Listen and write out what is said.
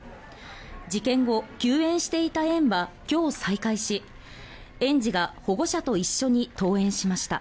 事件後、休園していた園は今日、再開し園児が保護者と一緒に登園しました。